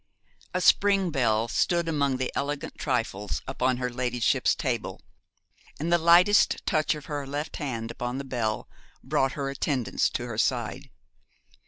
A spring bell stood among the elegant trifles upon her ladyship's table; and the lightest touch of her left hand upon the bell brought her attendants to her side.